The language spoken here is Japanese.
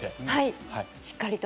しっかりと。